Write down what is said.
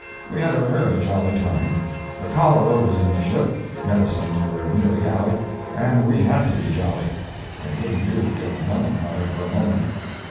We had a very jolly time. The cholera was in the ship, medicines were nearly out, and we had to be jolly. It wouldn't do to get melancholy for a moment.